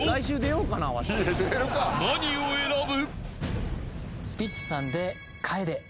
［何を選ぶ？］